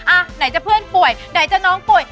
อ่ะไหนจะเพื่อนป่วยไหนจะน้องป่วย